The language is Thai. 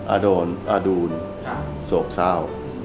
อาโดรนอาดูรสโษกเศร้า